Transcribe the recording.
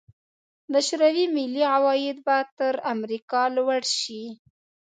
د شوروي ملي عواید به تر امریکا لوړ شي.